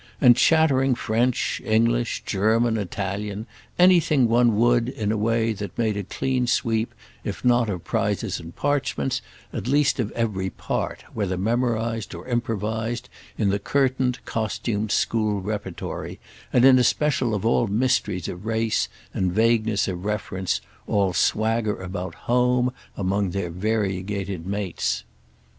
and chattering French, English, German, Italian, anything one would, in a way that made a clean sweep, if not of prizes and parchments, at least of every "part," whether memorised or improvised, in the curtained costumed school repertory, and in especial of all mysteries of race and vagueness of reference, all swagger about "home," among their variegated mates.